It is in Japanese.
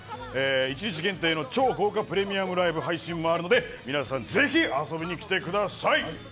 １日限定の超豪華プレミアムライブの配信もあるので皆さんぜひ遊びに来てください！